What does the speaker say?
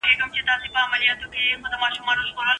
که بدلون رانغلی، نو وضعي نه سميږي.